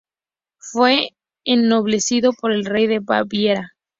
Fue ennoblecido por el rey de Baviera.